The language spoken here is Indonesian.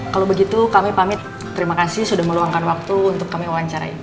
kalau begitu kami pamit terima kasih sudah meluangkan waktu untuk kami wawancarai